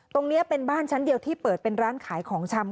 ตรงนี้เป็นบ้านชั้นเดียวที่เปิดเป็นร้านขายของชำ